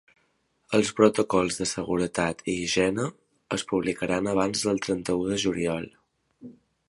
Els protocols de seguretat i higiene es publicaran abans del trenta-u de juliol.